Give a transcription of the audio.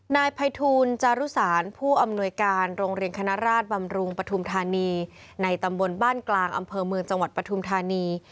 นายภัยทูลจารุสารผู้อำนวยการโรงเรียนคณราชบำรุงปฐุมธานีในตำบลบ้านกลางอำเภอเมืองจังหวัดปฐุมธานี